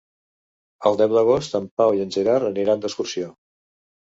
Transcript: El deu d'agost en Pau i en Gerard aniran d'excursió.